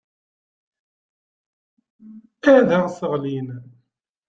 Ad aɣ-sseɣlin.